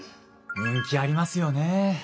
人気ありますよね。